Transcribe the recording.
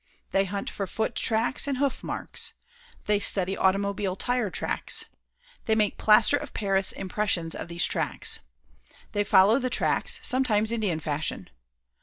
They hunt for foot tracks and hoof marks. They study automobile tire tracks. They make plaster of Paris impressions of these tracks. They follow the tracks sometimes Indian fashion.